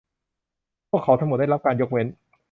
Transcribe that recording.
พวกเขาทั้งหมดได้รับการยกเว้น